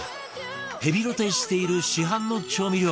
ヘビロテしている市販の調味料が